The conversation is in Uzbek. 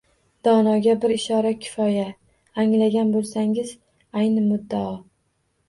Donoga bir ishora kifoya, anglagan bo‘lsangiz ayni muddao